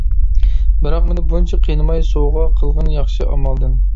بىراق مېنى بۇنچە قىينىماي، سوۋغا قىلغىن ياخشى ئامالدىن.